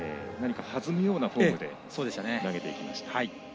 弾むようなフォームで投げていきました。